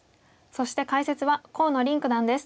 そして解説は河野臨九段です。